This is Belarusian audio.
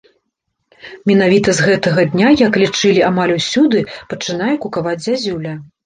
Менавіта з гэтага дня, як лічылі амаль усюды, пачынае кукаваць зязюля.